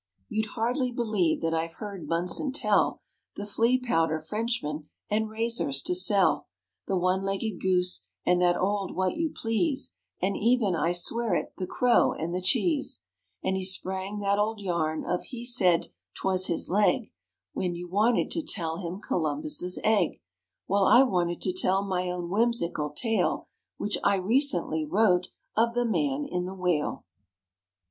You'd hardly believe that I've heard Bunson tell The Flea Powder Frenchman and Razors to Sell, The One Legged Goose and that old What You Please And even, I swear it, The Crow and the Cheese. And he sprang that old yarn of He Said 't was His Leg, When you wanted to tell him Columbus's Egg, While I wanted to tell my own whimsical tale (Which I recently wrote) of The Man in the Whale!